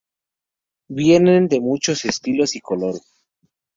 Vienen de muchos estilos y colores.